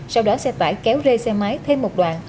các xe tải kéo rê xe máy thêm một đoàn